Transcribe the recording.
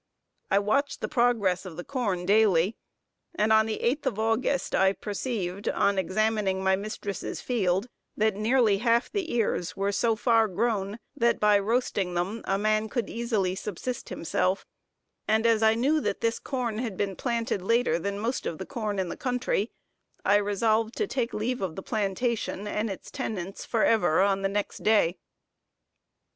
I watched the progress of the corn daily, and on the eighth of August I perceived, on examining my mistress' field, that nearly half of the ears were so far grown, that by roasting them, a man could easily subsist himself; and as I knew that this corn had been planted later than the most of the corn in the country, I resolved to take leave of the plantation and its tenants, for ever, on the next day.